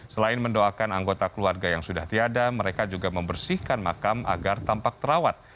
selain mendoakan anggota keluarga yang sudah tiada mereka juga membersihkan makam agar tampak terawat